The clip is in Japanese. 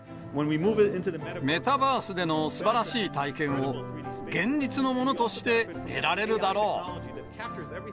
メタバースでのすばらしい体験を、現実のものとして得られるだろう。